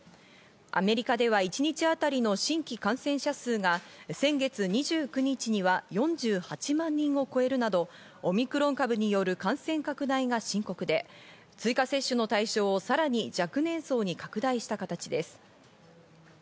アメリカでは一日当たりの新規感染者数が先月２９日には４８万人を超えるなど、オミクロン株による感染拡大が深刻で追加接種の対象をさらに若年層に拡大した形です。